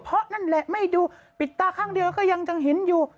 เพราะนั่นแหละไม่ดูปิดตาข้างเดียวก็ยังจะเห็นอยู่